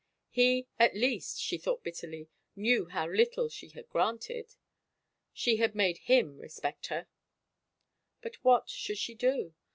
He at least, she thought bitterly, knew how little she had granted ! She had made him respect her 1 But what should she do?